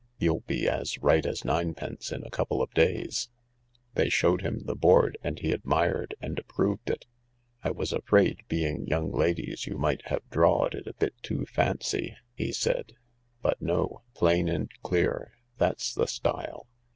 You'll be as right as ninepence in a couple of days." They showed him the board and he admired and approved it. "I was afraid, being young ladies, you might have drawed 73 76 THE LARK it a bit too fancy," he said. "But no. Plain and clear. That's the style.